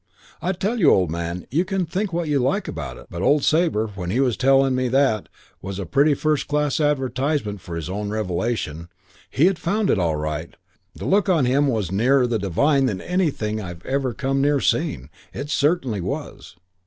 "I tell you, old man, you can think what you like about it, but old Sabre, when he was telling me that, was a pretty first class advertisement for his own revelation. He'd found it all right. The look on him was nearer the divine than anything I've ever come near seeing. It certainly was.